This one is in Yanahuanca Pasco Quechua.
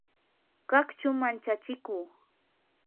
qaqchu manchachiku